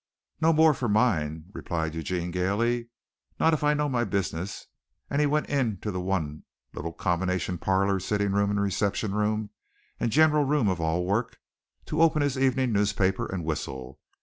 "No more for mine," replied Eugene gaily, "not if I know my business," and he went into the one little combination parlor, sitting room, reception room and general room of all work, to open his evening newspaper and whistle.